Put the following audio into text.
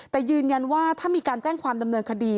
แต่ยืนยันว่าถ้ามีการแจ้งความดำเนินคดี